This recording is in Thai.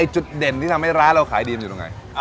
จุดเด่นที่ทำให้ร้านเราขายดีมันอยู่ตรงไหน